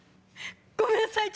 ごめんなさい